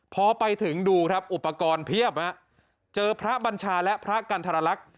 พอไปถึงดูครับอุปกรณ์เพียบเจอพระบัญชาและพระกันทรลักษณ์